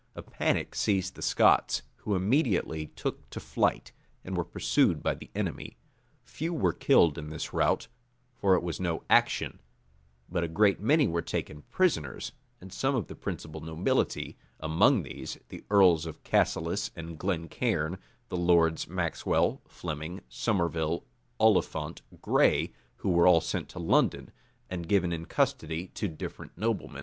A panic seized the Scots, who immediately took to flight, and were pursued by the enemy. Few were killed in this rout; for it was no action; but a great many were taken prisoners, and some of the principal nobility: among these, the earls of Cassilis and Glencairn, the lords Maxwel, Fleming, Somerville, Oliphant, Grey, who were all sent to London, and given in custody to different noblemen.